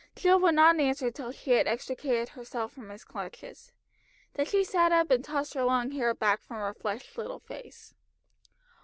Jill would not answer till she had extricated herself from his clutches. Then she sat up and tossed her long hair back from her flushed little face.